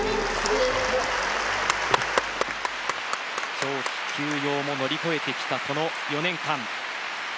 長期休養も乗り越えてきたこの４年間。